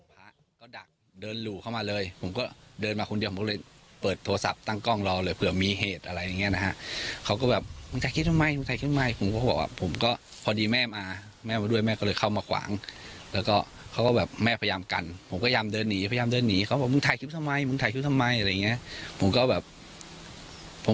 ผมไม่รู้อะไรจะเกิดกับผมบ้างเขาก็แบบเฮ้ยมึงล๊อค